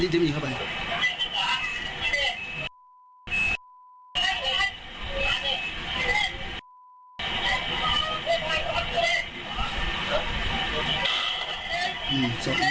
ไปฟังความจากเพื่อนบ้านบอกว่า